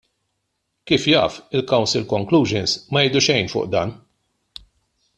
Kif jaf, il-Council conclusions ma jgħidu xejn fuq dan.